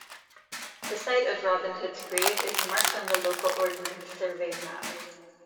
The site of Robin Hood's Grave is marked on the local Ordnance Survey map.